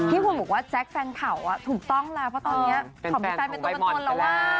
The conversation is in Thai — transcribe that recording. พี่ผู้หญิงบอกว่าแจ๊คแฟนเขาอ่ะถูกต้องแล้วเพราะตอนนี้ของพี่แฟนเป็นตัวตนแล้วอ่ะ